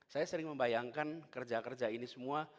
saya sering membayangkan kerja kerja ini semua